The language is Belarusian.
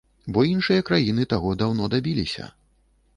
Бо іншыя краіны таго даўно дабіліся.